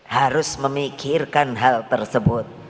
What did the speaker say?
harus memikirkan hal tersebut